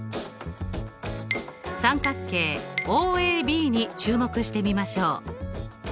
三角形ＯＡＢに注目してみましょう。